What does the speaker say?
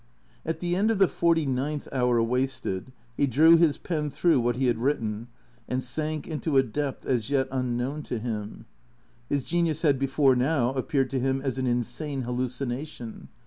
At the end of the forty ninth hour wasted, he drew his pen through what he had written and sank into a depth as yet un known to him. His genius had before now appeared to him as an insane hallucination.